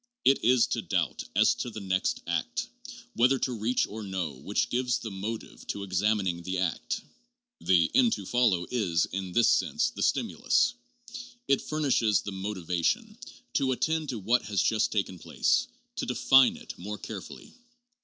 It is to doubt as to the next act, whether to reach or no, which gives the motive to exami ning the act. The end to follow is, in this sense, the stimulus. It furnishes the motivation to attend to what has just taken place ; to define it more carefully.